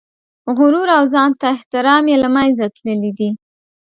غرور او ځان ته احترام یې له منځه تللي دي.